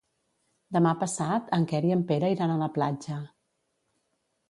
Demà passat en Quer i en Pere iran a la platja.